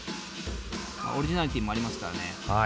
オリジナリティーもありますからね。